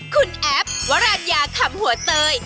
คุณแอฟวรรณยาคำหัวเตย